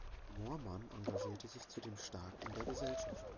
Mohrmann engagierte sich zudem stark in der Gesellschaft.